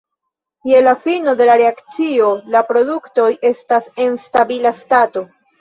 Je la fino de la reakcio la produktoj estas en stabila stato.